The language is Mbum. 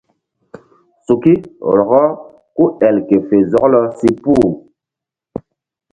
Suki rɔkɔ ku el ke fe zɔklɔ si puh.